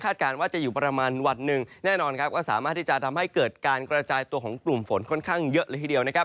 การว่าจะอยู่ประมาณวันหนึ่งแน่นอนครับก็สามารถที่จะทำให้เกิดการกระจายตัวของกลุ่มฝนค่อนข้างเยอะเลยทีเดียวนะครับ